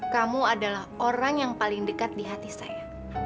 kamu adalah orang yang paling dekat di hati saya